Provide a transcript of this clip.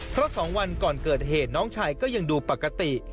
เพราะ๒วันก่อนเกิดเหตุน้องชายก็ยังดูปกติ